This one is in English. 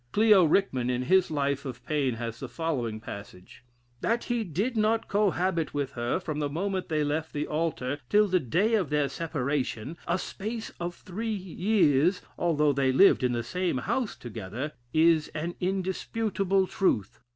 Clio Rickman, in his "Life of Paine," has the following passage: "That he did not cohabit with her from the moment they left the altar till the day of their separation, a space of three years, although they lived in the same house together, is an indubitable truth.